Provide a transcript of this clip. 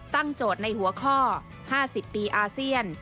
โจทย์ในหัวข้อ๕๐ปีอาเซียน